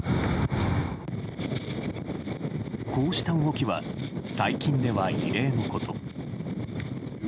こうした動きは最近では異例のこと。